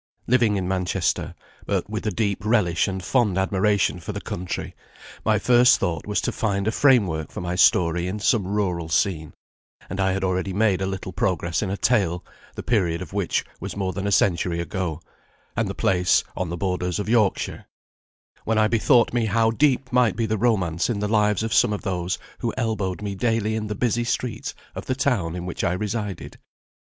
Living in Manchester, but with a deep relish and fond admiration for the country, my first thought was to find a frame work for my story in some rural scene; and I had already made a little progress in a tale, the period of which was more than a century ago, and the place on the borders of Yorkshire, when I bethought me how deep might be the romance in the lives of some of those who elbowed me daily in the busy streets of the town in which I resided.